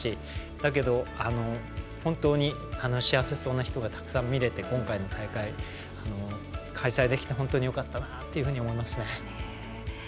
だけど、本当に幸せそうな人がたくさん見れて今回の大会開催できてよかったなと思いますね。